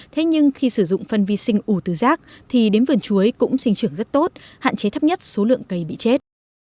thế nhưng khi sử dụng phân vi sinh ủ từ rác thì đến vườn chuối cũng sinh trưởng rất tốt hạn chế thấp nhất số lượng cây bị chết